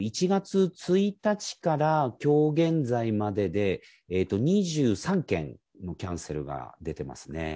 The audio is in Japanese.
１月１日からきょう現在までで、２３件のキャンセルが出てますね。